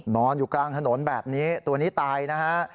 นอนอยู่กลางถนนแบบนี้ตัวนี้ตายนะฮะ